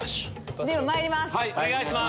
ではまいります。